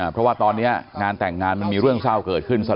เพราะว่าตอนนี้งานแต่งงานมันมีเรื่องเศร้าเกิดขึ้นซะ